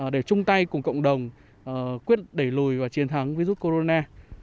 để chung tay cùng cộng đồng quyết đẩy lùi và chiến thắng virus corona